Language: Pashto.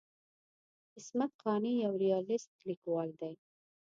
عصمت قانع یو ریالیست لیکوال دی.